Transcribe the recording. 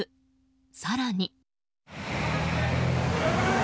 更に。